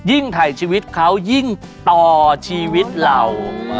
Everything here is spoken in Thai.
ถ่ายชีวิตเขายิ่งต่อชีวิตเรา